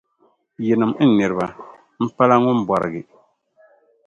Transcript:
Yinim’ n niriba! M-pala ŋun bɔrigi.